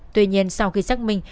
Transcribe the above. tuy nhiên sau khi xác minh